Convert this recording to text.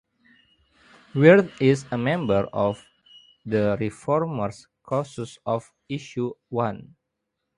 Wirth is a member of the ReFormers Caucus of Issue One.